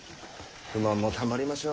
不満もたまりましょう。